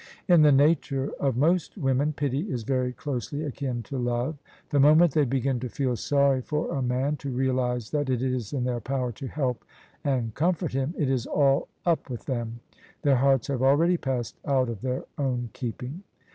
In the nature of most women pity is very closely akin to love ; the moment they begin to feel sorry for a man — to realise that it is in their power to help and comfort him — it is all up with them: their hearts have already passed out of their own keeping.